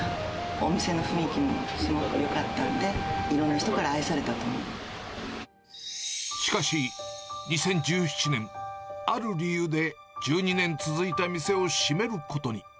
お店の雰囲気もすごくよかったんで、しかし、２０１７年、ある理由で、１２年続いた店を閉めることに。